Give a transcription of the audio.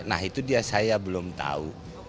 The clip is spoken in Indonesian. nah itu dia saya belum tahu